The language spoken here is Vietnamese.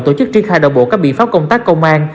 tổ chức triên khai đồng bộ các biện pháp công tác công an